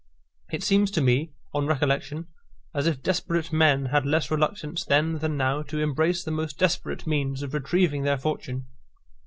It seems to me, on recollection, as if desperate men had less reluctance then than now to embrace the most desperate means of retrieving their fortune.